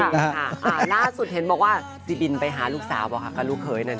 ล่าสุดเห็นบอกว่าจิบินไปหาลูกสาวหรือเปล่าลูกเคยนั้น